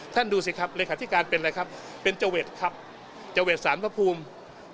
ดูสิครับเลขาธิการเป็นอะไรครับเป็นเจ้าเวทครับเจ้าเวทสารพระภูมิ